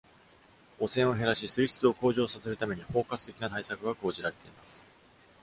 汚染を減らし、水質を向上させるために、包括的な対策が講じられています。